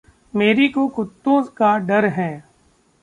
मेरी को कुत्तों का डर है।